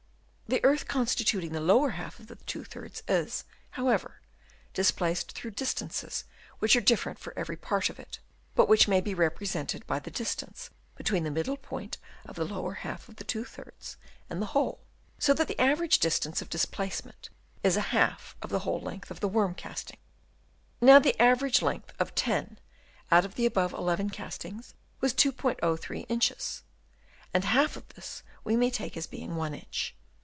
The earth con stituting the lower half of the two thirds is, however, displaced through distances which are different for every part of it, but which may be represented by the distance between the middle point of the lower half of the two thirds and the hole. So that the average distance of displacement is a half of the whole length of the worm casting. Now the 270 DENUDATION OF THE LAND Chap. VI. average length of ten out of the above eleven eastings was 2*03 inches, and half of this we may take as being one inch.